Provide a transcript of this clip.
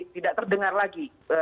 tidak terdengar lagi